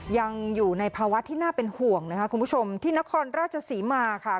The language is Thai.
ยังอยู่ในภาวะที่น่าเป็นห่วงนะคะคุณผู้ชมที่นครราชศรีมาค่ะ